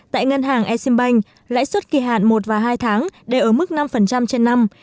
tại ngân hàng exim bank lãi suất kỳ hạn một và hai tháng đều ở mức năm trên năm